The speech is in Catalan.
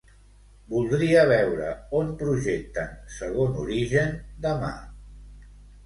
Voldria veure on projecten "Segon origen" demà.